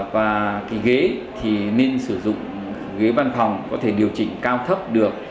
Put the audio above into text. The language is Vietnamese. và cái ghế thì nên sử dụng ghế văn phòng có thể điều chỉnh cao thấp được